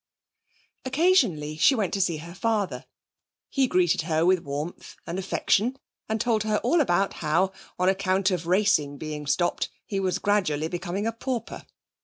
Occasionally she went to see her father. He greeted her with warmth and affection, and told her all about how, on account of racing being stopped, he was gradually becoming a pauper.